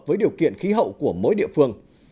với điều kiện khí hậu của mỗi địa phương